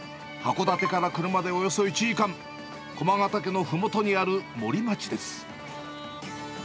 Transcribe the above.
函館から車でおよそ１時間、こまが岳のふもとにある、森町です。